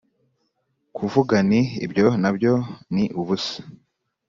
Kuvuga nti ibyo na byo ni ubusa